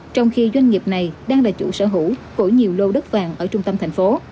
trong khi doanh nghiệp này đang là chủ sở hữu của nhiều lô đất vàng ở trung tâm thành phố